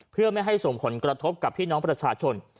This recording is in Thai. เพื่อไม่ให้ส่งผลกระทบกับพี่น้องประชาชน